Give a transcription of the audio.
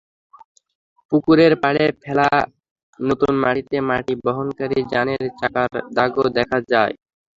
পুকুরের পাড়ে ফেলা নতুন মাটিতে মাটি বহনকারী যানের চাকার দাগও দেখা যায়।